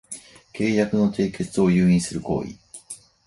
契約の締結を誘引する行為